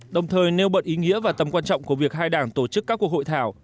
đồng thời nêu bật ý nghĩa và tầm quan trọng của việc hai đảng tổ chức các cuộc hội thảo